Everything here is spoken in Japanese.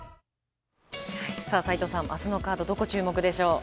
斎藤さん、あすのカード、どこに注目でしょう。